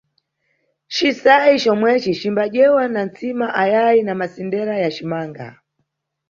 Cisayi comweci cimba dyedwa na ntsima ayayi na masendera ya cimanga.